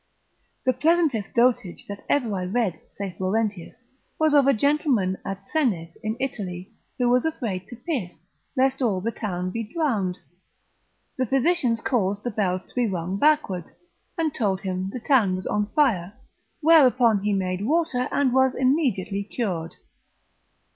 The pleasantest dotage that ever I read, saith Laurentius, was of a gentleman at Senes in Italy, who was afraid to piss, lest all the town should be drowned; the physicians caused the bells to be rung backward, and told him the town was on fire, whereupon he made water, and was immediately cured.